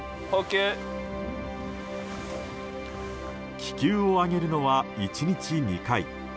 気球を上げるのは１日２回。